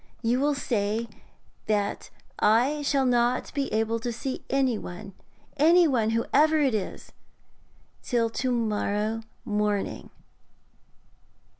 You will say that I shall not be able to see anyone anyone, whoever it is till to morrow morning.'...